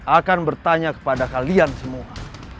akan bertanya kepada kalian semua